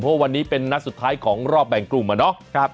เพราะวันนี้เป็นนัดสุดท้ายของรอบแบ่งกลุ่มอะเนาะ